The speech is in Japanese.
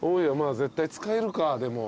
絶対使えるかでも。